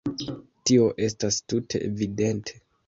Tio estas tute evidente.